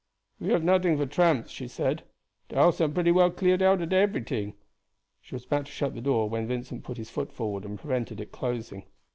"We have nothing for tramps," she said. "De house am pretty well cleared out ob eberyting." She was about to shut the door when Vincent put his foot forward and prevented it closing.